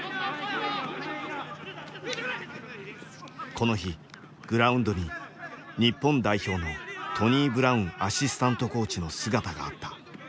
この日グラウンドに日本代表のトニー・ブラウンアシスタントコーチの姿があった。